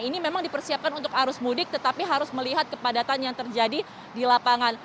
ini memang dipersiapkan untuk arus mudik tetapi harus melihat kepadatan yang terjadi di lapangan